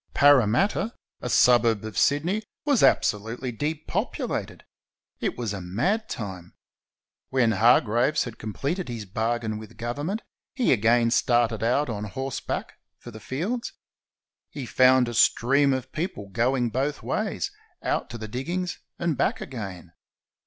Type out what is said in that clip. Parramatta, a suburb of Sydney, was abso lutely depopulated. It was a mad time. When Har graves had completed his bargain with Government, he again started out on horseback for the fields. He found a stream of people going both ways, out to the diggings and back again.